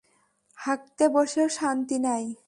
হাগতে বসেও শান্তি নাই!